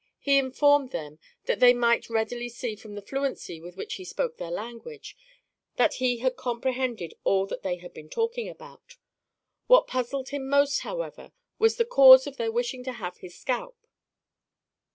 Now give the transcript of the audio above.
He informed them "that they might readily see from the fluency with which he spoke their language, that he had comprehended all that they had been talking about. What puzzled him most, however, was the cause of their wishing to have his scalp.